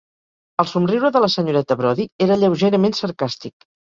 El somriure de la senyoreta Brodie era lleugerament sarcàstic.